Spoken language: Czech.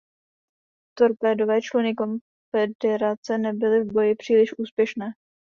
Torpédové čluny Konfederace nebyly v boji příliš úspěšné.